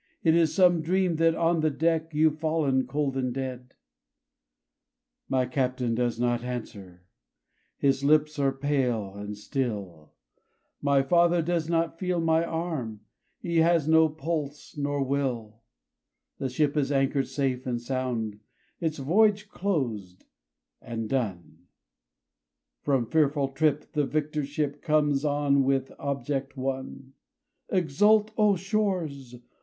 It is some dream that on the deck You've fallen cold and dead. My Captain does not answer, his lips are pale and still, My father does not feel my arm, he has no pulse nor will; The ship is anchor'd safe and sound, its voyage closed and done, RAINBOW GOLD From fearful trip the victor ship comes in with object won; Exult, O shores!